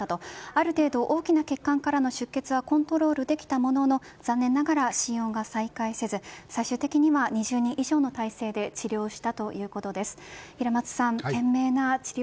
ある程度、大きな血管からの出血はコントロールできたものの残念ながら心音が再開せず２０人以上の状態で治療したということです。